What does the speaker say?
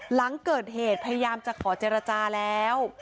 หลังเกิดเหตุพยายามจะขอเจรจาแล้ว